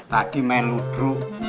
tadi main ludruk